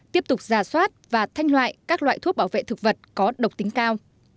tiếp tục giả soát và thanh loại các loại thuốc bảo vệ thực vật có độc tính cao